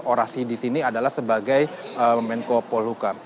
orasi di sini adalah sebagai menkopo luka